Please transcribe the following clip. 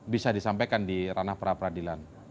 bisa disampaikan di ranah pra peradilan